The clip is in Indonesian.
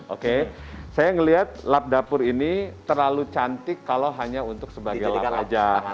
oke saya melihat lap dapur ini terlalu cantik kalau hanya untuk sebagai lap aja